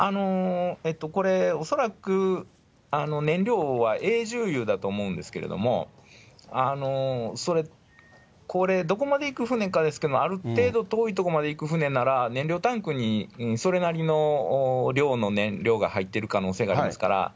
これ、恐らく燃料は重油だと思うんですけれども、これ、どこまで行く船かですけれども、ある程度、遠い所まで行く船なら、燃料タンクにそれなりの量の燃料が入ってる可能性がありますから。